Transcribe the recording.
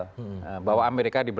itu akan dikapitalisasi oleh israel